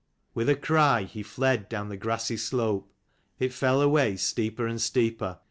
With a cry he fled down the grassy slope. It fell away steeper and steeper.